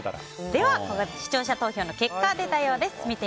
では、視聴者投票の結果が出たようです。